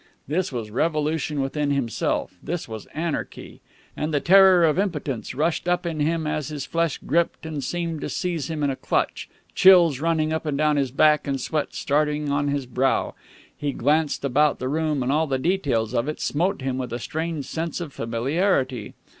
This was revolution within himself, this was anarchy; and the terror of impotence rushed up in him as his flesh gripped and seemed to seize him in a clutch, chills running up and down his back and sweat starting on his brow. He glanced about the room, and all the details of it smote him with a strange sense of familiarity.